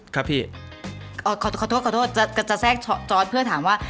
ครับพี่ขอโทษขอโทษจะแทรกจอร์ดเพื่อถามว่า